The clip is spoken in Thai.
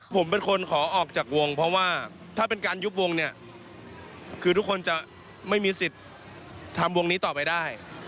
ผมเป็นคนขอออกจากวงเพราะว่าถ้าเป็นการยุบวงเนี่ยคือทุกคนจะไม่มีสิทธิ์ทำวงนี้ต่อไปได้